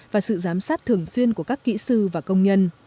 và sự giám sát thường xuyên của các kỹ sư và công nhân